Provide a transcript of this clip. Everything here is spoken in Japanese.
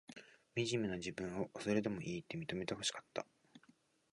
みじめな自分を、それでもいいって、認めてほしかった。